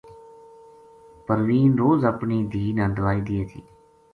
پروین روز اپنی دھی نا دوائی دیے تھی